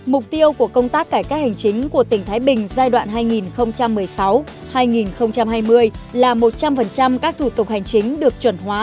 mục tiêu của công tác cải cách hành chính của tỉnh thái bình giai đoạn hai nghìn một mươi sáu hai nghìn hai mươi là một trăm linh các thủ tục hành chính được chuẩn hóa